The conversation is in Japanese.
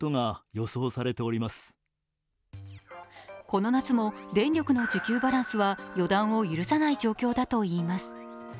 この夏も電力の需給バランスは予断を許さない状況だといいます。